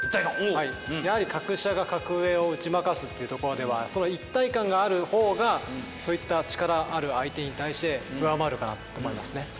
やはり格下が格上を打ち負かすっていうところではその一体感があるほうがそういった力ある相手に対して上回るかなと思いますね。